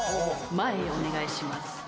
前へお願いします。